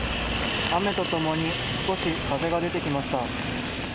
雨とともに、少し風が出てきました。